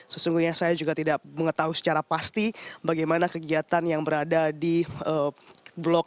sesungguhnya saya juga tidak mengetahui secara pasti bagaimana kegiatan yang berada di blok